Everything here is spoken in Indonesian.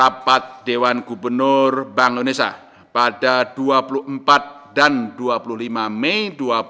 rapat dewan gubernur bank indonesia pada dua puluh empat dan dua puluh lima mei dua ribu dua puluh